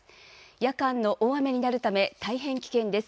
夜間の大雨になるため、大変危険です。